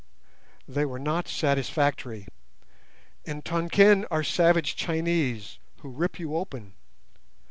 They were not satisfactory. In Tonquin are savage Chinese who rip you open.